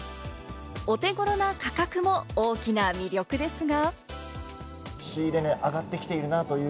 お手頃な価格も大きな魅力ですが。